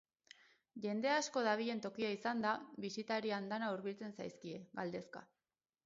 Jende asko dabilen tokia izanda, bisitari andana hurbiltzen zaizkie, galdezka.